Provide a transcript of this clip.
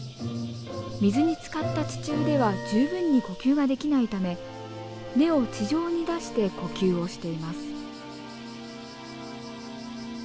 水につかった地中では十分に呼吸ができないため根を地上に出して呼吸をしています。